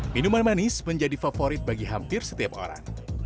minuman manis menjadi favorit bagi hampir setiap orang